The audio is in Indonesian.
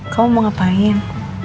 kamu mau ngapain